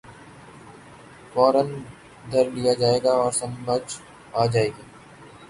فورا دھر لیا جائے گا اور سمجھ آ جائے گی۔